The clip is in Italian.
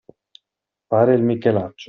Fare il michelaccio.